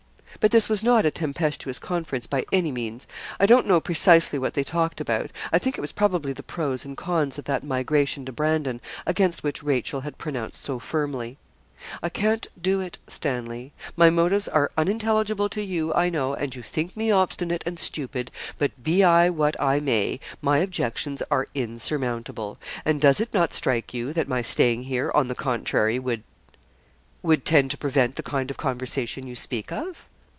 But this was not a tempestuous conference by any means. I don't know precisely what they talked about. I think it was probably the pros and cons of that migration to Brandon, against which Rachel had pronounced so firmly. 'I can't do it, Stanley. My motives are unintelligible to you, I know, and you think me obstinate and stupid; but, be I what I may, my objections are insurmountable. And does it not strike you that my staying here, on the contrary, would would tend to prevent the kind of conversation you speak of?'